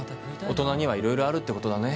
大人には色々あるってことだね。